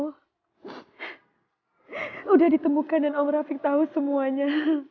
sudah ditemukan dan om raffic tahu semuanya